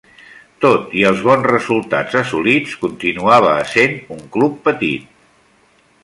Tot i els bons resultats assolits, continuava essent un club petit.